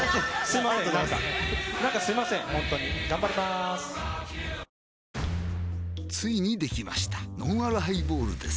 さあ、皆、ついにできましたのんあるハイボールです